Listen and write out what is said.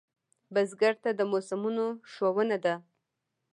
بزګر ته د موسمونو ښوونه ده